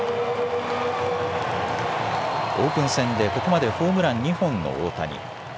オープン戦でここまでホームラン２本の大谷。